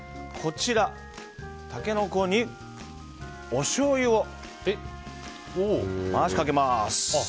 こちら、タケノコにおしょうゆを回しかけます。